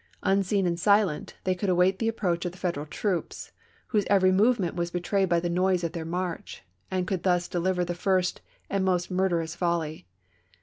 Unseen and silent, they could await the approach of the Federal troops, whose every movement was betrayed by the noise of their march, and could thus deliver the first and most murderous volley.